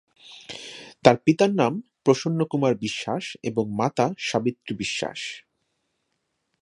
তার পিতার নাম প্রসন্ন কুমার বিশ্বাস এবং মাতা সাবিত্রী বিশ্বাস।